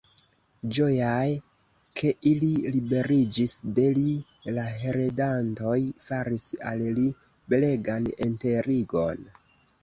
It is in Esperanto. Ĝojaj, ke ili liberiĝis de li, la heredantoj faris al li belegan enterigon.